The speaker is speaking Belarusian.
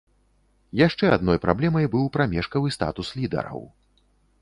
Яшчэ адной праблемай быў прамежкавы статус лідараў.